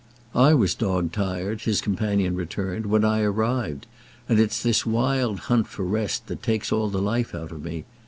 "I was dog tired," his companion returned, "when I arrived, and it's this wild hunt for rest that takes all the life out of me.